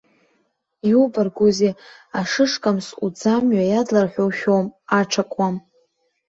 Иубаргәузеи, ашышкамс уӡамҩа иадлар ҳәа ушәом, аҽакуам!